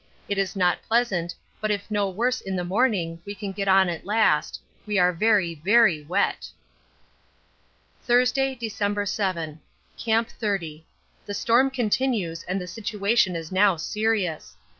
It is not pleasant, but if no worse in the morning we can get on at last. We are very, very wet. Thursday, December 7. Camp 30. The storm continues and the situation is now serious.